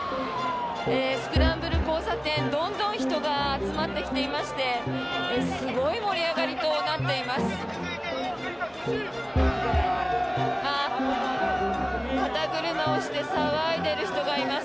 スクランブル交差点、どんどん人が集まってきていましてすごい盛り上がりとなっています。